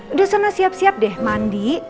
udah sana siap siap deh mandi